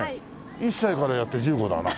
１歳からやって１５だな。